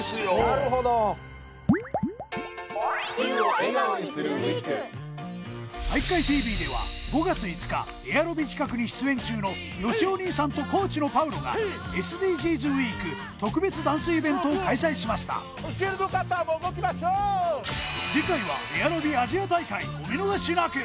なるほど体育会ＴＶでは５月５日エアロビ企画に出演中のよしお兄さんとコーチのパウロがＳＤＧｓウイーク特別ダンスイベントを開催しましたお見逃しなく！